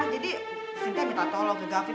jadi sintia minta tolong ke gavvin